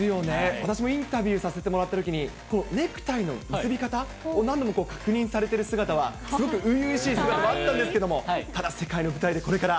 私もインタビューさせてもらったときに、ネクタイの結び方を何度も確認されている姿は、すごく初々しい姿でもあったんですけど、ただ、世界の舞台でこれから。